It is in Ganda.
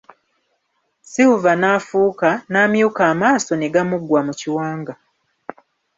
Silver n'afuuka, n'amyuka amaaso ne gamuggwa mu kiwanga.